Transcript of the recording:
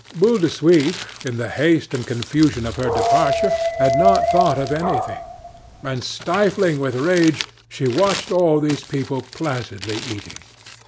Boule de Suif, in the haste and confusion of her departure, had not thought of anything, and, stifling with rage, she watched all these people placidly eating.